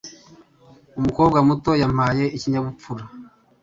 Umukobwa muto yampaye ikinyabupfura.